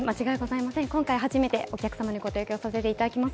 今回初めてお客様にご提供させていただきます。